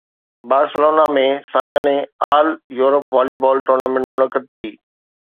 Barcelona ۾ سالياني all Europe volleyball tournament منعقد ٿي